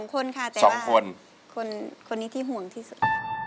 ๒คนค่ะแต่ว่าที่ห่วงที่สุด